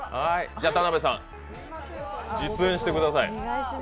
じゃ田辺さん、実演してください。